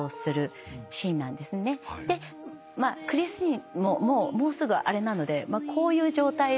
クリスティーヌももうすぐあれなのでこういう状態で。